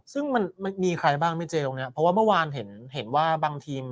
ซึ่งมันมีใครบ้างไม่เจอตรงนี้เพราะว่าเมื่อวานเห็นเห็นว่าบางทีม